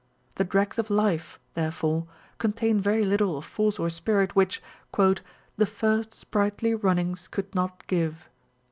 " The dregs of life," there fore, contain very little of force or spirit wThich the first sprightly runnings could not give.